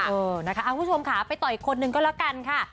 เอาคุณผู้ชมขาไปต่ออีกคนหนึ่งก็แล้วกันค่ะ